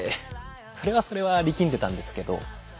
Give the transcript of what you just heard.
それはそれは力んでたんですけど。